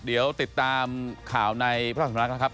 เดี๋ยวติดตามข่าวในพระสำนักนะครับ